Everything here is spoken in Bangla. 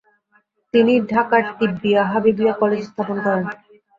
তিনি ঢাকার তিব্বিয়া হাবিবিয়া কলেজ স্থাপন করেন।